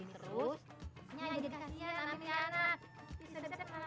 ini uang terakhir yang mau kasih sama